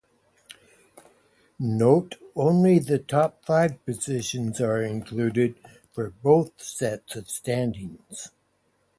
Note: Only the top five positions are included for both sets of standings.